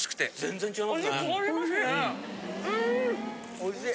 おいしい！